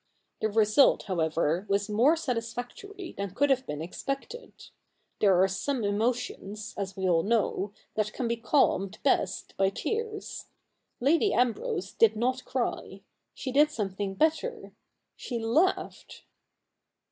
The result, however, was more satisfactory than could have been expected. There are some emotions, as we all know, that can be calmed best by tears. Lady Ambrose did not cry. She did some thing better — she laughed.